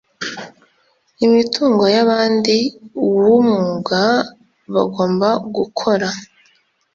imitungo y abandi w umwuga bagomba gukora